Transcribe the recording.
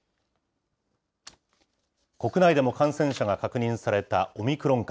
国内でも感染者が確認されたオミクロン株。